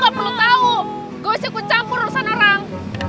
gue siku campur rusak narang